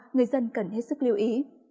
người dân cần hết sức lưu ý